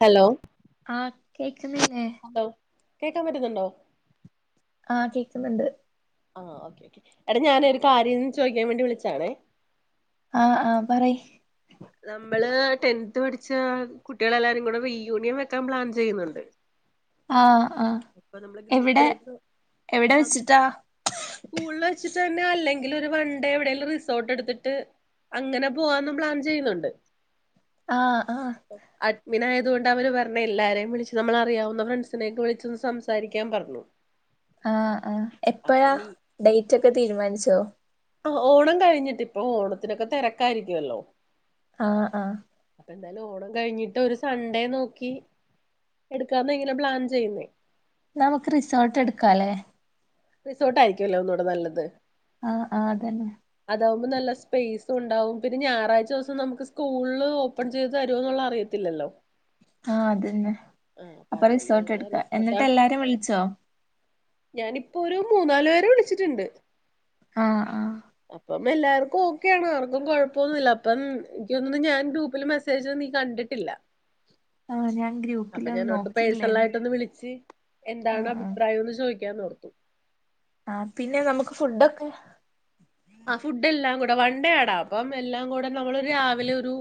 Hello ആ കേക്കുന്നില്ലെ hello കേക്കാൻ പറ്റുന്നുണ്ടോ ആ കേക്കുന്നുണ്ട് ആ ഓക്കേ ഓക്കേ എടാ ഞാൻ ഒരു കാര്യം ചോദിക്കാൻ വേണ്ടി വിളിച്ചാണേ ആ ആ പറയ് ടെൻത്ത് പഠിച്ച കുട്ടികളെല്ലാരും കൂടെ റീ യൂണിയൻ വെക്കാൻ പ്ലാൻ ചെയ്യുന്നുണ്ട് ആ ആ അപ്പൊ നമ്മള് എവിടെ ഗ്രൂപ്പിലൊക്കെ എവിടെ വെച്ചിട്ടാ സ്കൂളിൽ [unintelligible] അല്ലെങ്കിൽ ഒരു വൺഡേ എവിടെയെങ്കിലും റിസോർട്ട് എടുതിട്ട് അങ്ങനെ പോവാന്നും പ്ല ചെയ്യുന്നുണ്ട് ആ ആ അങ്ങനെ ആയത്കൊണ്ട് അവര് പറഞ്ഞ് എല്ലാരെയും വിളിച്ച് നമ്മള് അറിയാവുന്ന ഫ്രണ്ട്സിനെ ഒക്കെ വിളിച്ചൊന്ന് സംസാരിക്കാൻ പറഞ്ഞു ആ ആ അപ്പൊ എപ്പഴാ നീ ഡേറ്റ് ഒക്കെ തീരുമാനിച്ചോ ഓണം കഴിഞ്ഞിട്ട് ഇപ്പൊ ഓണത്തിനൊക്കെ തിരക്കായിരിക്കുമല്ലോ ആ ആ എന്തായാലും ഓണം കഴിഞ്ഞിട്ട് ഒരു സൺഡേ നോക്കി എടുക്കാന ഇങ്ങനെ പ്ലാൻ ചെയ്യുന്നേ നമുക്ക് റിസോർട്ട് എടുക്കല്ലേ റിസോർട്ട് ആയിരിക്കുമല്ലോ ഒന്നുകൂടെ നല്ലത് ആ ആ അതന്നെ അതാവുമ്പോൾ നല്ല സ്പേസ് ഉണ്ടാവും പിന്നെ ഞായറാഴ്ച ദിവസം നമുക്ക് സ്കൂളില് ഓപ്പൺ ചെയ്ത് തരുമെന്നുള്ള അറിയത്തി ഇല്ലല്ലോ ആ അതന്നെ അപ്പോ അതുകൊണ്ട് റിസോർട്ട് അങ്ങനെ എടുകാം എന്നിട്ട് എല്ലാരേയും വിളിച്ചോ ഞാനിപ്പൊ ഒരു മൂന്നാലു പേരെ വിളിച്ചിട്ടിണ്ട് ആഹ് ആഹ് അപ്പം പ്പംഎല്ലാർക്കു ഓക്കെ ആണ് ആർക്കും കൊഴപ്പൊന്നില്ല അപ്പം എനിക്ക്തോന്നണു ഞാൻ ഗ്രൂപ്പില് മെസ്സേജ് നീ കണ്ടിട്ടില്ല ആ ഞാൻ ഗ്രു അപ്പം ഞാനോർത്തു പേഴ്സ്ണലായിട്ടൊന്ന് വിളിച്ച് എന്താണ് ആഹ് അഭിപ്രായയെന്ന് ചോയ്ക്കാന്നോർത്തു ആ പിന്നെ നമുക്ക് ഫുഡൊക്കെ ആ ഫുടെല്ലാം കൂടെ വൺണ്ടേ ആടാ അപ്പം എല്ലാം കൂടെ നമ്മളൊരു രാവിലെ ഒരു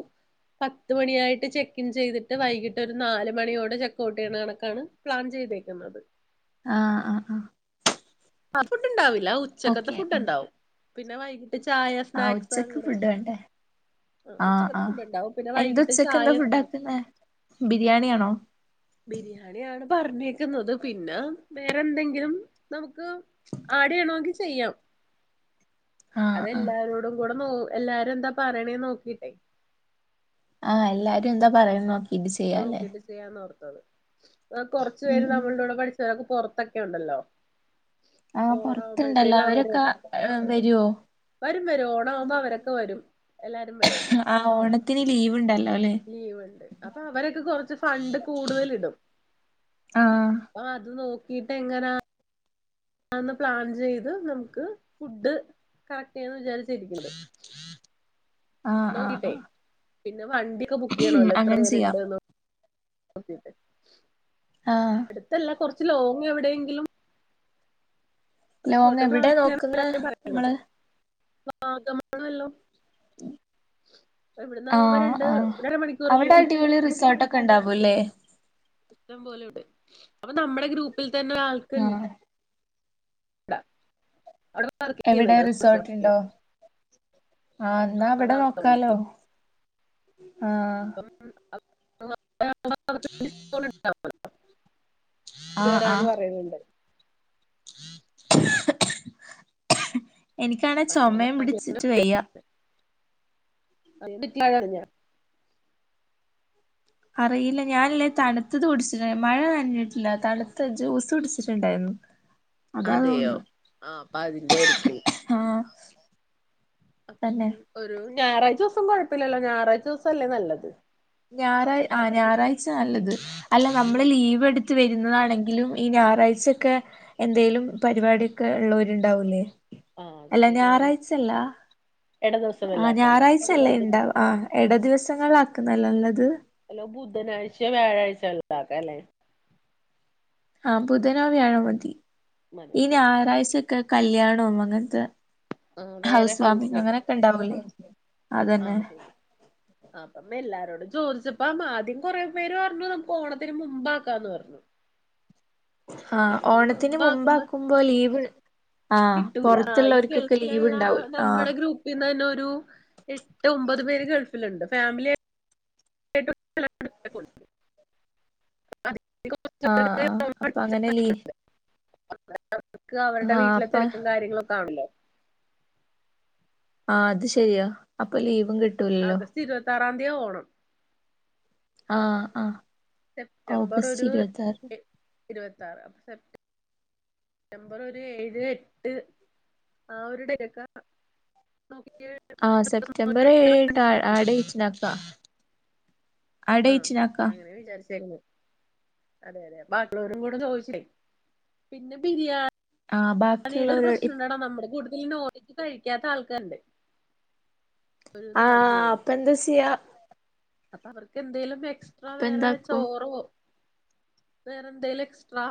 പത്ത് മണി ആയിട്ട് ചെക്കിൻ ചെയ്തിട്ട് വൈകിട്ട് ഒരു നാല് മണിയോടെ ചെകൗട്ടെയ്യണ കണക്കാണ് പ്ലാൻ ചെയ് എയ്തെക്കുന്നത് ആ ആ ആ ആ ഫുഡ് ഉണ്ടാവില്ല ഉച്ചക്കത്തെ ഫുഡ്‌ ഉണ്ടാവും പിന്നെ വൈകി ചായ ആഹ് സ്നാക്സ് ഉച്ചക്ക് അങ്ങനെ ഫുഡ് വേണ്ടേ ആ ആഹ് ഉച്ചക്കത്തെ ആഹ് ഫുഡ് ഉണ്ടാവും പിന്നെ എന്താ വൈകിട്ട് ഉച്ചക്ക് ചായ എന്താ ഫുഡ് സ്നാക് ആക്കുന്നെ ബിരിയാണിയാണോ ആ ബിരിയാണിയാണ് പർഞ്ഞേക്കുന്നത് പിന്ന വേറെന്തെങ്കിലും നമുക് ആടെയ്യണോങ്കി ചെയ്യാം ആഹ് ആഹ് അതെല്ലാരോടും കൂടെ നോ എല്ലാരു എന്താ പറയണേന്ന് നോക്കിട്ടെ ആ എല്ലാരു എന്താ പറയുന്നോ നോക്കിട്ട് ചെയ്യാന്നോർത്തത് ആ കൊറ്ച് ഉം പേര് ഉം നമ്മള്ടുടെ പഠിച്ചവരൊക്കെപൊറ അതൊക്കെ ഉണ്ടല്ലോ ആ അപ്പൊ പൊർത്തുണ്ടല്ലോ ഓണാവുമ്പോഴത്തേനും അവര് അവരൊക്ക വരുവോ വരും വരും ഓണ ആവുമ്പോ അവരൊക്കെ വരും എല്ലാരും ആ ഓണത്തിന് ലീവിണ്ടല് ലീവൊണ്ട് അപ്പ അവരൊക്കെ കൊറച്ച് ഫണ്ട് കൂടുതലിടും ആഹ് ആ അത് നോക്കിട്ട് എങ്ങനാ [unintelligible] പ്ലാൻ ചെയ്ത് നമുക്ക് ഫുഡ് കറക്റ്റെണ് വിചാരിച് [unintelligible] ആ ആ ആ വണ്ടിഒക്കെ ബുക്ക് ചെയ്യണോല്ലോ എത്ര പേരിണ്ട്ന്ന് ആ ലോങ് എവിടെയെങ്കിലും ലോങ് റിസോർട്ട് എവിടെ നോക്കുന്നെ നമ്മള് [unintelligible] ഇവിടുന്ന് ആ ആവുമ്പോ രണ്ട് ആ രണ്ട് മണിക്കൂറല്ലേ അവിടെ ഉള്ളൂ അടിപൊളി റിസോർട്ടൊക്കെ ഇണ്ടാവൂല്ലേ ഇഷ്ടം പോലെ ഉണ്ട് അപ്പൊ നമ്മടെ ഗ്രൂപ്പിൽ തന്നെ ആൾക്ക്ണ് ആഹ് അവിടെ [unintelligible] ചെയ്യുന്നുണ്ട് [unintelligible] ആ എന്നാ അവടെ നോക്കാലോ ആ [unintelligible] [unintelligible] പറയ്ന്നുണ്ട് ഹ്ഹ്ഹ് ഹ്ഹ എനിക്കാണെ ചൊമേം പിടിച്ചിട്ട് വയ്യ [unintelligible] അറിയില്ല ഞാനില്ലേ തണുത്തത് കുടിച്ചിട് മഴ നനഞ്ഞിട്ടില്ല തണുത്ത ജൂസ് കുട്ച്ചിട്ടുണ്ടാര്ന്നു [inaudible] അതെയോ ആ അപ്പ അതിന്റെ ആരിക്കും ആഹ് അപ്പം തന്നെ ഒരു ഞാറാഴ്ച ദൂസം കൊഴപ്പില്ലല്ലോ ഞായറാഴ്ച ദൂസല്ലെ നല്ലത് ഞാറായ് ആ ഞാറാഴ്ച നല്ലത് അല്ല നമ്മള് ഉം ലീവ് എടുത് വരുന്നതാണങ്കിലും ഈ ഞാറാഴ്ചൊക്കെ എന്തേലും പരിപാടിയ്ക്കെ ഇള്ളവരുണ്ടാവൂല്ലേ ആ അത് അല്ല ശരിയാണ് ഞാറായ്ചല്ല ഇട ദിവസം ആ വല്ല ആക്കാനോ ഞാറാഴ്ചല്ലേ ഇണ്ടവാ ആ ഇട ദിവസങ്ങള ആക്കുന്നതല്ല നല്ലത് അല്ലോ ബുധനാഴ്ച വ്യാഴാഴ്ച ഉള്ളതാക്ക അല്ലേ ആഹ ബുധനും വ്യാഴാ മതി മതി ഈ മതി ഓക്കെ ഞായറാഴ്ച കല്യാണവും അങ്ങനത്തെ ആ വേറെ ഹൗസ് വാമിങ് അങ്ങനെയൊക്കെ ഉണ്ടാവൂലേ അതന്നെ ആഹ ശരി ആപ്പമ്മ എല്ലാരോടും ചോദിച്ചപ്പ ആ ആദ്യം കൊറെേ പേര് പറഞ്ഞു നമുക്ക് ഓണത്തിന് മുമ്പാക്കാം എന്ന് പറഞ്ഞു ആഹ ഓണത്തിന് മുമ്പാക്കുമ്പോ ലീവ് ആഹ് കിട്ടൂല ഈ പുറത്തുള്ളവർക്കൊക്കെ ലീവ് ഗൾഫിലുള്ള ഉണ്ടാവൂലോ ആഹ് നമ്മുടെ ഗ്രൂപ്പിൽന്ന് തന്നെ എട്ട് ഒമ്പത് പേര് ഗൾഫിൽ ഇണ്ട് ഫാമിലി അ [unintelligible] [unintelligible] ആഹ് ആഹ് അപ്പൊ അങ്ങനെ ലീ അവർക്ക് അവരുടെ ആഹ് വീട്ടിലെ അപ്പ തിരക്കും കാര്യങ്ങളൊക്കെ ആണല്ലോ ആ അത് ശരിയോ അപ്പൊ ലീവ് കിട്ടു ആഗസ്റ്റ് ഇരുപത്താറാം തീയാ ഓണം ആ ആ ഓഗസ്റ്റ് ഇരുപത്താറ് ഇരുപത്താറ് അപ്പൊ നമ്പർ ഒരു ഏഴ് എട്ട് ആ ഒരുടെരക [unintelligible] ആ സെപ്റ്റംബർ ഏഴിട്ട് ആ ഡേറ്റ് അക്ക ആ അപ്പൊ അങ്ങനെ വിചാരിച്ചേക്ക്ണ് അതെതെ അതെ ബാക്കിയുള്ളവരോടും കൂടി ചോദിച്ചെ പിന്നെ ബിരിയാണി ആഹ് പിന്നീട് ഒരു ബാക്കിയുള്ളവര് പ്രശ്നം ഉണ്ടാവരുത് നമ്മൾ കൊടുത്ത് ഈ നോൺ വെജ് കഴിക്കാത്ത ആൾക്കാരുണ്ട് ഒരു ആ നാലഞ്ചു പേര് അപ്പ എന്താ സെയ്യാ അപ്പൊ അവർക്ക് എന്തേലും എക്സ്ട്രാ അപ്പ വേറെ എന്താക്കും ചോറോ വേറെ എന്തേലും എക്സ്ട്രാ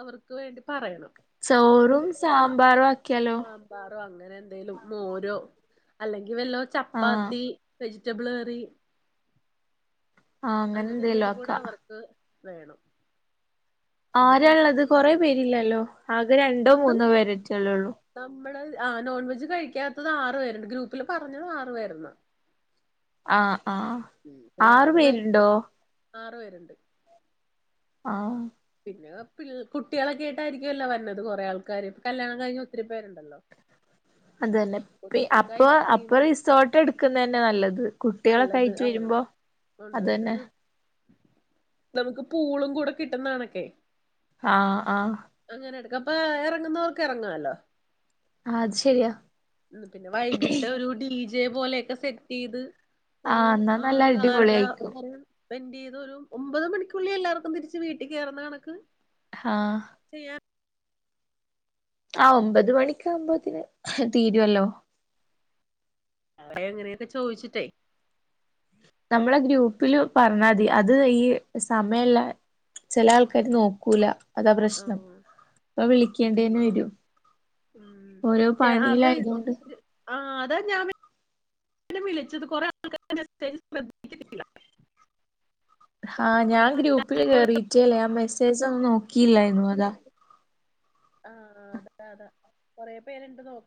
അവർക്ക് വേണ്ടി പറയണം ചോറും സാമ്പാറും ആക്കിയാലോ സാമ്പാറോ അങ്ങനെ എന്തേലും മോരോ അല്ലെങ്കിൽ വല്ലോ ആഹ് ചപ്പാത്തി വെജി വെജിറ്റബിൾ കറി ആ അങ്ങനെ എന്തെങ്കിലും എന്തേലും കൂടെ ആക്കാം അവർക്ക് വേണം പിന്നെ ആരാള്ളത്. കൊറേ ഐസ്ക്രീമ് പേരില്ലല്ലോ. ആകെ രണ്ടോ മൂന്നോ പേരുവെച്ച് അല്ലേ ഉള്ളൂ നമ്മള് ആ നോൺ വെജ് കഴിക്കാത്തത് ആറു പേരുണ്ട് ഗ്രൂപ്പില് പറഞ്ഞതാറ് പേരന്ന ആ ആ ആറു പേർക്ക് പേരുണ്ടോ ആറു പേരുണ്ട് ആ പിന്നെ കുട്ടികളൊക്കെയിട്ടായിരിക്കും അല്ലോ വന്നത് കൊറേ ആൾക്കാര് കല്യാണം കഴിഞ്ഞ ഒത്തിരി പേരുണ്ടല്ലോ [inaudible] അത് തന്നെ കുട്ടികൾക്ക് അപ്പ അപ്പൊ ഐസ്ക്രീമ് റിസോർട്ട് എടുക്കുന്ന തന്നെ നല്ലത് നല്ലത് കുട്ടികളക്കായിട്ട് ആ വരുമ്പോ അത് ഉണ്ട്ണ്ട് തന്നെ ഒരു നമുക്ക് പൂളും കൂടെ കിട്ടുന്നകണക്കെ ആഹ ആഹ ഇതാപ്പോ റങ്ങുന്നവർക്ക് എറങ്ങാലോ അ അത് ശരിയാ ഉം പിന്നെ വൈകിട്ട് ഒരു ഡി ജെ പോലെയൊക്കെ സെറ്റ് ചെയ്ത് ഒരു ആഹ് എന്നാ നല്ല ആറ് ആറര അടിപൊളിയായിക്കും വരെ സ്പെൻഡ് ചെയ്ത് ഒരു ഒമ്പത് മണിക്കുള്ളിൽ എല്ലാവർക്കും തിരിച്ച് വീട്ടിൽ കയറുന്ന കണക്ക് ആ ചെയ്യാൻ ആ ഒമ്പത് മണിക്ക ആകുമ്പോതിന് തീരുമല്ലോ അ എങ്ങനെയൊക്കെ ചോദിച്ചിട്ട് നമ്മള ഗ്രൂപ്പില് പറഞ്ഞാ മതി അത് ഈ സമയല്ല ചെല ആൾക്കാര് നോക്കൂല അതാ പ്രശ്നം ആഹ് അപ്പൊ വിളിക്കേണ്ട തന്നെ അതയ്യോ വരും ഉം ഓരോ ശെ അത് പണിയിലായതുകൊണ്ട് ഒത്തിരി ആ അതാ ഞാൻ വിളിച്ചത് കുറെേ ആള്ക്കാര മെസ്സേജ് ശ്രദ്ധിക്കില്ല ആ ഞാൻ ഗ്രൂപ്പില് കേറിയിട്ടേയില്ലേ ഞാൻ മെസ്സേജ് ഒന്നും നോക്കിയില്ലായിരുന്നു അതാ ആ അതെ അതെ കൊറെ-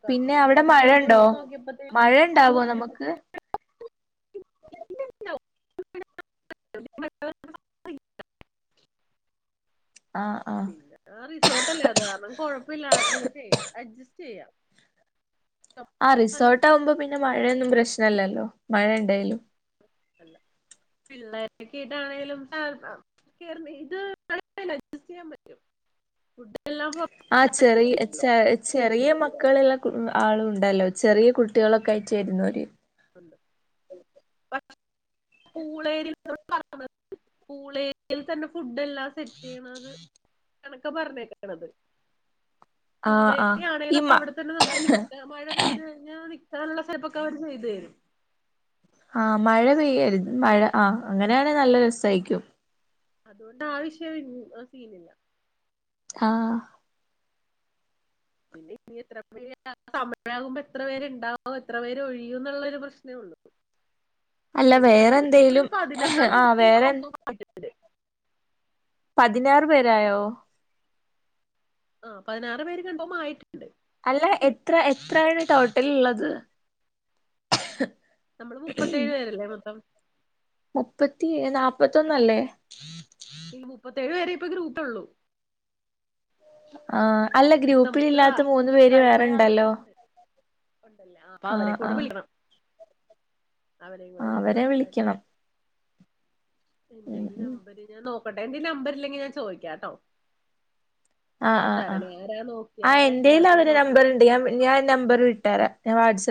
പിന്നെ അവിടെ മഴണ്ടോ നോക്കിയപ്പോത്തേ മഴണ്ടാവോ നമുക്ക് ഇല്ലില്ല. [unintelligible] ആഹ് ആഹ് പിന്നെ ആ റിസോർട്ട് അല്ലേ അത് കാരണം കൊഴപ്പില്ലാ അതൊക്കെ അഡ്ജസ്റ്റ് ചെയ്യാം ആ അല്ല റിസോർട്ട് ആകുമ്പോ പിന്നെ മഴയൊന്നും പ്രശ്നല്ലല്ലോ മഴ ഉണ്ടായാലും അ പിള്ളേരക്കെട്ടായാണേലും സാ- ഇത് അഡ്ജസ്റ്റ് ചെയ്യാൻ പറ്റും ഫുഡെല്ലാം ആ ചെറി ചെറിയ മക്ക മക്കളുള്ള ആളും ഉണ്ടല്ലോ ചെറിയ കുട്ടികളൊക്കെ ആയിട്ടു വരുന്നര് [unintelligible] പൂളേരി പറുന്നത് പൂളേരിയയിൽ തന്നെ ഫുഡ് എല്ലാം സെറ്റ് ചെയ്യണത് കണക്ക പറഞ്ഞേക്കണത് ആഹ് ആഹ് ഈ പൂളേരിയാണെങ്കലും മ അവിടെ തന്നെ നമുക്ക് നിക്കാം മഴ പെയ് കഴിഞ്ഞാൽ നി- നിൽകനുള്ള ഹെല്പ്പക്കെ അവർ ചെയ്ത് തരും ആ മഴ പെയ്യരുന്നു മഴ ആ അങ്ങനെയാണെങ്കിൽ നല്ല രസമായിരിക്കും അതുകൊണ്ട് ആവശ്യ സീനില്ല ആ പിന്നെ ഇനി എത്ര പേ സമയമാകുമ്പോ എത്ര പേര്ണ്ടാവും എത്ര പേര് ഒഴിയും എന്നുള്ള ഒരു പ്രശ്നേ ഉള്ളൂ [unintelligible] അല്ല എങ്ങനെ വേറെ ഒരു എന്തേലും പതിനാറ് ആ പേര് വേറെ പതിനാറ് പേരായോ ആ പതിനാറ് പേര് കൺഫോം ആയിട്ടുണ്ട് അല്ല എത്ര എത്രയാണ് ടോട്ടൽ ഉള്ളത് നമ്മള് മുപ്പത്തേഴു പേരല്ലേ മൊത്തം മുപ്പത്തി നാല്പ്പത്തൊന്നല്ലേ ഈ മുപ്പത്തേഴ് വരെ ഇപ്പ ഗ്രൂപ്പ ഉള്ളു ആഹഅല്ല ഗ്രൂപ്പിൽ ഇല്ലാത്ത മൂന്ന് പേര് വേറെണ്ടല്ലോ ഉണ്ടല്ലേ അപ്പൊ അവരെ ആഹ് കൂടെ ആഹ് വിളിക്കണം അവര് കൂടി ആഹ് വിളിച്ച് അവരെ വിളിക്കണം സംസാരിക്കണം ഉം എന്റെൽ ഉം നമ്പര് ഞാൻ നോക്കട്ടെ എന്റെൽ നമ്പർ ഇല്ലെങ്കിൽ ഞാൻ ചോദിക്കാട്ടോ ആ ആഹ് ആഹ് ആ ആരാ എന്റെൽ ഇല്ലാത്തത് അവന് നോക്കിയിട്ട് നമ്പരുണ്ട് ഞ ഞാൻ നമ്പർ ഇട്ടതരാം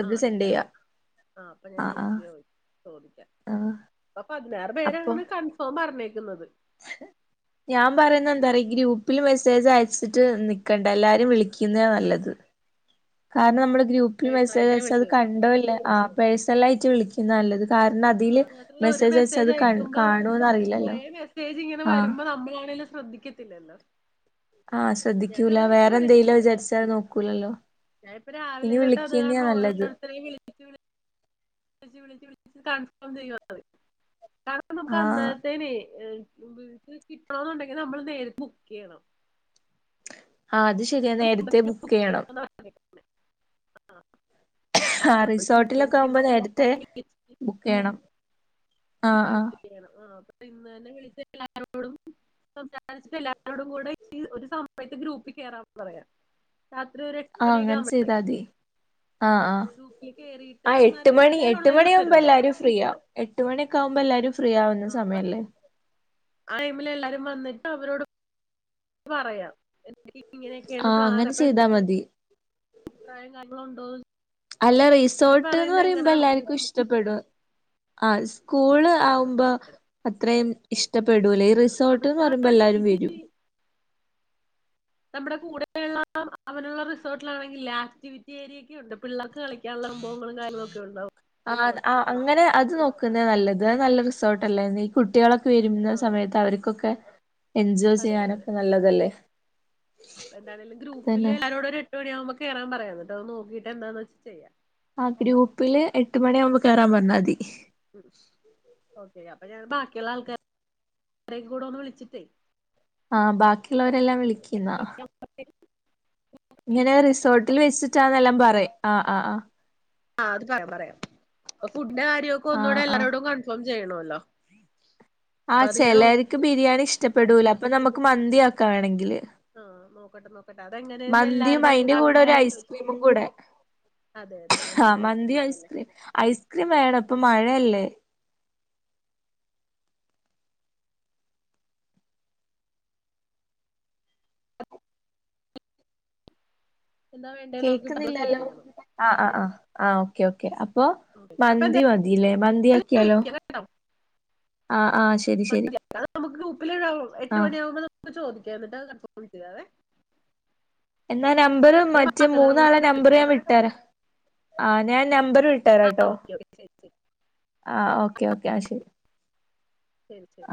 ആ ഇട്ടാമതി ആ അപ്പൊ ഞാൻ ആഹ് ആഹ് വിളിച്ചോയി ചോദിക്ക ആഹ് ഇപ്പൊ പതിനാറ് അപ്പൊ പേരാണ് കൺഫേം പറഞ്ഞേക്കുന്നത് ഞാൻ പറയുന്ന എന്താഅറിയോ പിന്നെ ഗ്രൂപ്പിൽ മെസ്സേ- അയച്ചിട്ട് നിക്കണ്ട എല്ലാരും വിളിക്കുന്ന നല്ലത് കാരണം നമ്മള് ഗ്രൂപ്പിൽ മെസ്സേജ് പേഴ്സണലായിട്ട്ന്നെ അയച്ചാ അത് വിളിച്ചത് കണ്ടോല്ലേ ആ പേഴ്സൽ ആട്ട് വിളിക്കുന്ന നല്ലത് കാരണം അതില് ഒരു അയച്ച മെസ്സേജ് അത് ക അയക്കുമ്പോ കാണോന്ന് അറിയില്ലല്ലോ പോയ മെസ്സേജ് ഇങ്ങനെ ആഹ് വരുമ്പോ നമ്മളാണ് ശ്രദ്ധിക്കത്തില്ലല്ലോ ആഹശ്രദ്ധിക്കൂല ഞാനതാ ഇപ്പൊ വേറെ എന്തെലോ വിചാരിച്ചാൽ അത് നോക്കൂലല്ലോ ഞാൻ ഇപ്പ രാവിലെ ഇനി തൊട്ട് അത് കാരണ വിളിക്കുന്നയാ നല്ലത് ഓരോരുത്തരെയും വിളിച്ച വിള വിളിച്ച് വിളിച്ച് കൺഫോം ചെയ്യണ് കാരണം നമുക്ക് ആഹ് അന്നരത്തേന വീട്ടില് കിട്ടണ എന്നുണ്ടെങ്കി നമ്മൾ നേരി ബുക്ക് ചെയ്യണം ആ അത് ശരിയ നേരത്തെ ബുക്ക് ചെയ്യണം ആ ആ റിസോർട്ടിലൊക്കെ ആവുമ്പോ ഇരുന്ന് നേരത്തെ എല്ലാരേം ബുക്ക് ചെയ്യണം ആഹ് ആഹ് ബുക്ക്‌ ചെയ്യണം ആ അപ്പ ഇന്ന് തന്നെ വിളിച്ച എല്ലാരോടും സംസാരിച്ചിട്ട് എല്ലാരോടും കൂടെ ഈ ഒരു സഭവത്തെ ഗ്രൂപ്പിൽ കേറാന്ന് പറയാം രാത്രി ഒരു എട്ട് മണിയൊക്കെ ആഹ്ങ്ങനെ ആവുമ്പഴേ ചെയ്താതി ആ ആഹ് ഗ്രൂപ്പിൽ കേറിയിട്ട് ആ എട്ട് അവന്മാരെ മണി എല്ലാരും എട്ട് ഉള്ളില് മണി ആകുമ്പോ വരുമല്ലോ എല്ലാരും ഫ്രീ ആ എട്ട് മണിയൊക്കെ ആകുമ്പോ എല്ലാരും ഫ്രീ ആവുന്ന ആ അപ്പൊ സമയല്ലേ ടൈമിൽ എല്ലാരും വന്നിട്ട് അവരോട് പറയാം ആ ഇങ്ങനെയൊക്കെയാണ് പ്ലാൻ അങ്ങനെ അപ്പൊ എന്ത് ചെയ്താ മതി അഭിപ്രായങ്ങൾ ഉണ്ടോ അല്ല റിസോർട്ട് എന്ന് പറയുമ്പോ എല്ലാര്ക്കും നമുക്ക് ഇഷ്ടപ്പെടും ആഹുസ് സ്കൂള് ഇഷ്ടപ്പെടും ആവുമ്പോ അതായത്. അത്രയും ഇഷ്ടപ്പെടൂല്ലെ ഈ ആ, റിസോർട്ട് എന്ന് അവിടെ പറയുമ്പോ എല്ലാവരും ഇത് വരും നമ്മുടെ കൂടന്നൂരുള്ള അങ്ങനുള്ള റിസോർട്ടിലാണെങ്കിൽ ആക്ടിവിറ്റി ഏരിയൊക്കെ ഉണ്ട് പിള്ളാർക്ക് കളിക്കാൻ സംഭവങ്ങളും കാര്യങ്ങളും ഒക്കെ ഉണ്ടാവും ആ റിസോർട്ട് ആ അങ്ങനെ അത് നോക്കുന്നേ നല്ലത് അത് നല്ല റിസോർട്ട് അല്ലേന്ന് ഈ കുട്ടി കുട്ടികളൊക്കെ വരുന്ന ആ സമയത്ത് അവര്ക്കൊക്കെ എൻജോയ് ചെയ്യാനൊക്കെ നല്ലതല്ലേ അപ്പ എന്തണേലും ഗ്രൂപ്പില് അതന്നെ ല്ലാരോട് ഒരു എട്ട് മണിയാകുമ്പോ കേറാൻ പറയ എന്നിട്ട് അത് നോക്കിട്ട് എന്താന്ന് വെച്ചാ ചെയ്യാം ആ ഗ്രൂപ്പില് എട്ട് മണിയാകുമ്പോ കേറാൻ പറഞ്ഞാതി ക്കെ അപ്പൊ ഞാൻ ബാക്കിയുള്ള ആൾക്കാര കൂടെ ഒന്ന് വിളിച്ചിട്ടേ ആ ബാക്കിയുള്ളവരെല്ലാം വിളിക്ക്ന്നാ ഇങ്ങനെ റിസോർട്ടിൽ വെച്ചിട്ടാന്നെല്ലാം പറയാ ആ ആ ആ ആ അത് പറയാം പറയാം അപ്പൊ ഫുഡ് കാര്യ ഒക്കെ ഒന്നൂടെ ആഹ് ആഹ് എല്ലാരോടും കൺഫോം ചെയ്യണല്ലോ ആ ചെല്ലര്ക്ക് ബിരിയാണി ഇഷ്ടപ്പെടൂല അപ്പൊ നമുക്ക് മന്തിയാക്കാ വേണെങ്കില് ആ നോക്കട്ടെ നോക്കട്ടെ അതെങ്ങനെയന്ന് മന്തിയും എല്ലാരുടെയും കൂടെ അഭിപ്രായം ചോദിച്ചിട്ടു വിളിക്കാം ആ മന്തി ഐസ്ക്രീം ഐസ്ക്രീം വേണോ ഇപ്പ മഴയല്ലേ [inaudible] എന്താ വേണ്ടേന്ന് നോക്കിട്ട് അത് സെറ്റ് കേൾക്കുന്നില്ലല്ലോ ചെയ്യണം ആ ആ ആ ആ ഓക്കേ ഓക്കെ പ്പൊ അപ്പൊ മന്തി എന്തായാലും മതില്ലേ മന്തിയാക്കിയാലോ മ അത് നമുക്ക് ഗ്രൂപ്പില് എട്ട് ആഹ് മണിയാകുമ്പോൾ നമുക്ക് ചോദിക്കാം കേട്ട കിച്ചത വേ [unintelligible] എന്നാ നമ്പർ മറ്റേ ബാക്കിയുള്ളവരെ കൂടെ മൂന്നാളെ നമ്പർ വിളിക്കാം ഞാൻ കേട്ടോ. വിട്ടാര ആ ഞാൻ നമ്പ വിട്ടരാ ആ കേട്ടോ ഓക്കെ ഓക്കെ ശരി ശരി ആ ഓക്കേ ഓക്കേ ആ ശെരി ശെരി ശെരി